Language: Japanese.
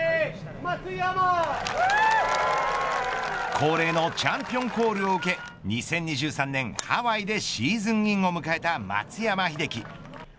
恒例のチャンピオンコールを受け２０２３年ハワイでシーズンインを迎えた松山英樹。